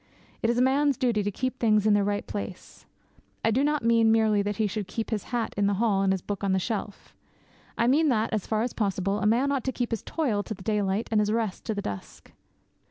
It is a man's duty to keep things in their right place. I do not mean merely that he should keep his hat in the hall, and his book on the shelf. I mean that, as far as possible, a man ought to keep his toil to the daylight, and his rest to the dusk.